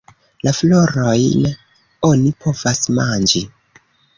La florojn oni povas manĝi.